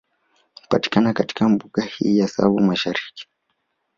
Hupatikana katika Mbuga hii ya Tsavo Mashariki